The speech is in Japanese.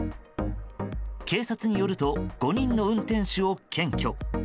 警察によると５人の運転手を検挙。